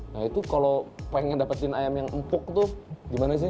nah itu kalau pengen dapetin ayam yang empuk tuh gimana sih